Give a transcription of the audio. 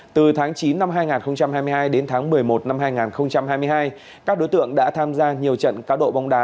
từ tháng chín năm hai nghìn hai mươi hai đến tháng một mươi một năm hai nghìn hai mươi hai các đối tượng đã tham gia nhiều trận cá độ bóng đá